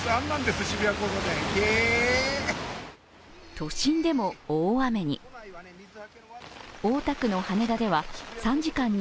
都心でも大雨に。